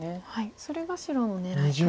それが白の狙いと。